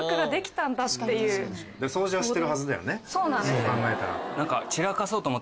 そう考えたら。